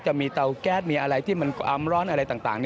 จะมีเตาแก๊สมีอะไรที่มันความร้อนอะไรต่าง